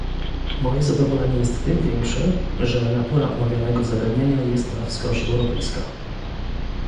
Moje zadowolenie jest tym większe, że natura omawianego zagadnienia jest na wskroś europejska